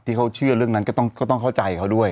ที่เขาเชื่อเรื่องนั้นก็ต้องเข้าใจเขาด้วย